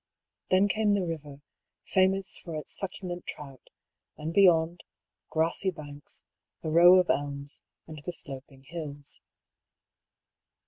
Then came the river, famous for its succulent trout, and beyond, grassy banks, a row of elms, and the sloping hills.